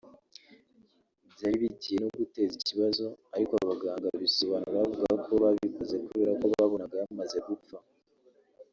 Byari bigiye no guteza ikibazo ariko abaganga bisobanura bavuga ko babikoze kubera ko babonaga yamaze gupfa